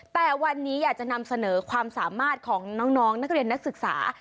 แต่วันนี้อยากจะนำเสนอความสามารถของน้องนักเรียนนักศึกษา